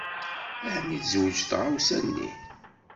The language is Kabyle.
Ɛni tezweǧ tɣawsa-nni?